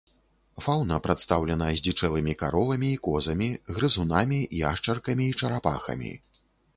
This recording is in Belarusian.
Фаўна прадстаўлена здзічэлымі каровамі і козамі, грызунамі, яшчаркамі і чарапахамі.